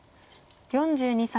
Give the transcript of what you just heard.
４２歳。